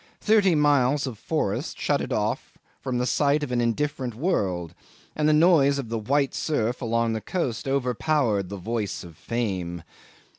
Thirty miles of forest shut it off from the sight of an indifferent world, and the noise of the white surf along the coast overpowered the voice of fame.